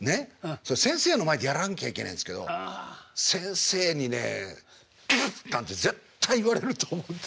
それ先生の前でやらなきゃいけないんですけど先生にね「プッ！」なんて絶対言われると思って。